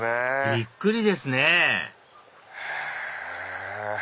びっくりですねへぇ！